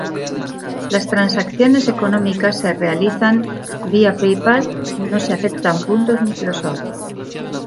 Las transacciones económicas se realizan vía PayPal, no se aceptan puntos Microsoft.